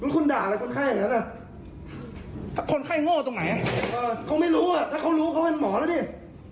ลูกคุณด่าอะไรคนไข้เหรอนั้นถ้าคนไข้งอแล้ว